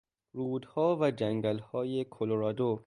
رودها و جنگلهای کلرادو